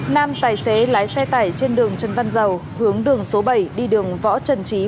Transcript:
nam tài xế lái xe tải trên đường trần văn dầu hướng đường số bảy đi đường võ trần trí